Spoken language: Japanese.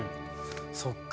そっか。